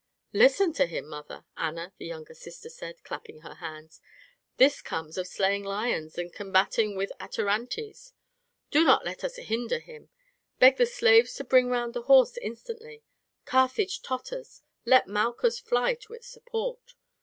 "Listen to him, mother," Anna, the younger sister, said, clapping her hands; "this comes of slaying lions and combating with the Atarantes; do not let us hinder him; beg the slaves to bring round a horse instantly. Carthage totters, let Malchus fly to its support.